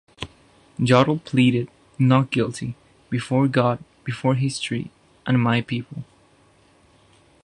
Jodl pleaded not guilty "before God, before history and my people".